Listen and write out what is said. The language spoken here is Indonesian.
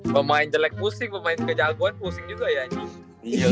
pemain jelek pusing pemain kejaguan pusing juga ya